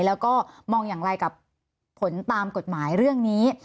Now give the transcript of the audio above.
แล้วก็มองอย่างไรกับผลตามกฎหมายเรื่องนี้